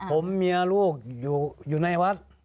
ผมเมียลูกอยู่ในวัด